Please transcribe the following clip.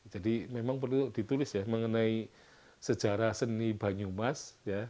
jadi memang perlu ditulis ya mengenai sejarah seni banyumas